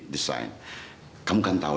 desain kamu kan tahu